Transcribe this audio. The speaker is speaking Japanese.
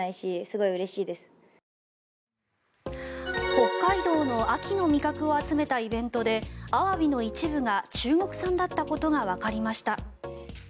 北海道の秋の味覚を集めたイベントでアワビの一部が中国産だったことがわかりました。